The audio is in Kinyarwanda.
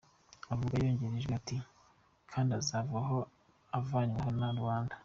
Avuga yongereye ijwi ati: kandi azavaho, avanyweho na rubanda.